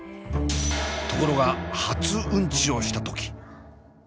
ところが初うんちをした時。